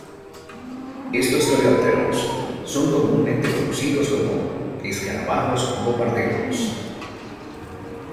Estos coleópteros son comúnmente conocidos como escarabajos bombarderos.